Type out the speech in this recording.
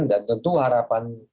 dan tentu harapan